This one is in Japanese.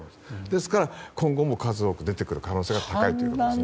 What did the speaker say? ですから、今後も数多く出てくる可能性があるということです。